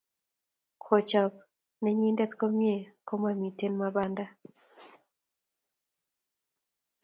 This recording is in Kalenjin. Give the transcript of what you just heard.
Kochob nenyindet komie komomitei Mabanda